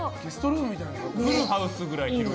「フルハウス」くらい広い。